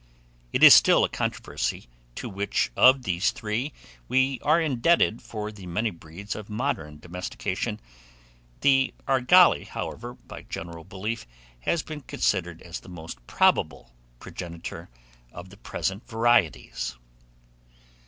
It is still a controversy to which of these three we are indebted for the many breeds of modern domestication; the Argali, however, by general belief, has been considered as the most probable progenitor of the present varieties.